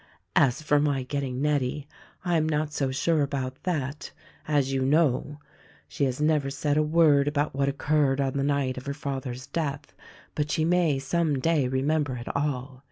As for my getting Nettie, I am not so sure about that — as you know. She has never said a word about what occurred on the night of her father's death ; but she may some day remember it all.